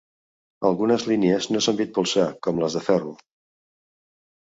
Algunes línies no s'han vist polsar, com les de ferro.